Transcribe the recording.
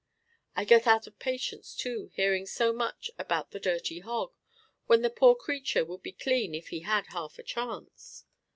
I get out of patience, too, hearing so much about the "dirty hog," when the poor creature would be clean if he had half a chance.